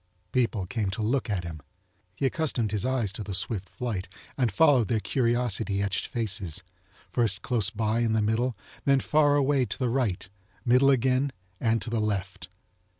People came to look at him. He accustomed his eyes to the swift flite and followed their curiosity etched faces, first close by in the middle, then far away to the right, middle again, and to the left.